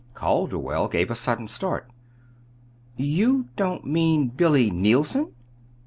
Calderwell gave a sudden start. "You don't mean Billy Neilson?"